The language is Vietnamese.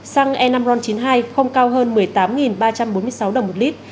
xăng e năm ron chín mươi hai không cao hơn một mươi tám ba trăm bốn mươi sáu đồng một lít